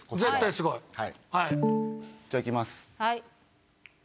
じゃあいきます。